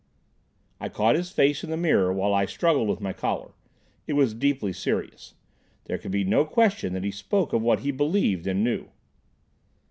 I caught his face in the mirror while I struggled with my collar. It was deeply serious. There could be no question that he spoke of what he believed and knew.